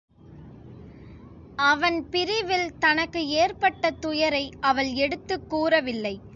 அவன் பிரிவில் தனக்கு ஏற்பட்ட துயரை அவள் எடுத்துக் கூறவில்லை.